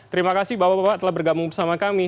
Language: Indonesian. terima kasih bapak bapak telah bergabung bersama kami